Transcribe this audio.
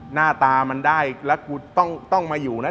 หน้าตามันได้แล้วกูต้องมาอยู่นะ